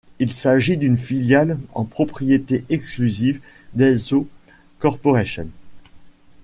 Il s'agit d'une filiale en propriété exclusive d'Eizo Corporation.